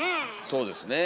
そうですね。